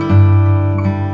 terima kasih ya mas